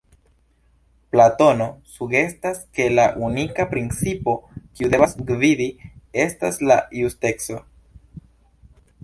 Platono sugestas ke la unika principo kiu devas gvidi estas la justeco.